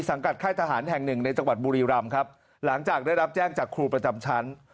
ค่ายทหารแห่งหนึ่งในจังหวัดบุรีรำครับหลังจากได้รับแจ้งจากครูประจำชั้น